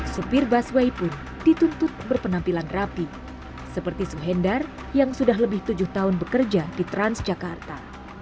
supir busway pun dituntut berpenampilan rapi seperti suhendar yang sudah lebih tujuh tahun bekerja di transjakarta